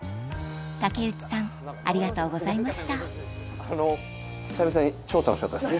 竹内さんありがとうございましたまたです！